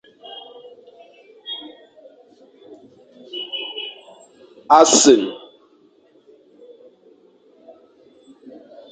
A sen.